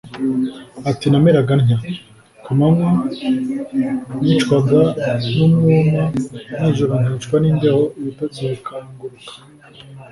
ati : Nameraga ntya : "Ku manywa nicwaga n'umwuma, nijoro nkicwa n'imbeho, ibitotsi bikanguruka."